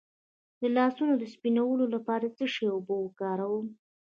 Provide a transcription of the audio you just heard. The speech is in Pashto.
د لاسونو د سپینولو لپاره د څه شي اوبه وکاروم؟